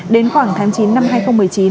đến khoảng tháng chín năm hai nghìn một mươi chín